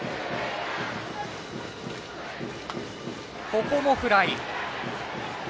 ここもフライ。